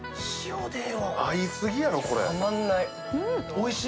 おいしい。